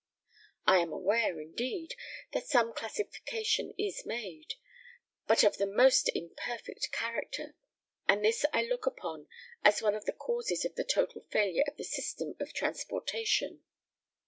I am aware, indeed, that some classification is made, but of the most imperfect character, and this I look upon as one of the causes of the total failure of the system of transportation.